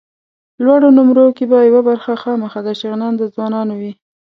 لوړو نومرو کې به یوه برخه خامخا د شغنان د ځوانانو وي.